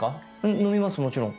飲みますもちろん。